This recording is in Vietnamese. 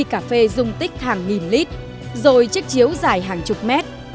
cà phê dung tích hàng nghìn lít rồi chiếc chiếu dài hàng chục mét